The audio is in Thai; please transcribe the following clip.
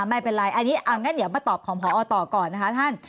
ไม่เป็นไรอันนี้เอางั้นเดี๋ยวมาตอบของพอต่อก่อนนะคะท่าน